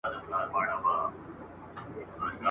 خر په پوه سو چي لېوه ووغولولی ..